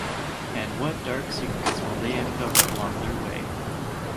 And what dark secrets will they uncover along their way?